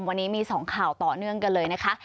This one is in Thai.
วันนี้มี๒ข่าวต่อเนื่องกันเลยนะคะ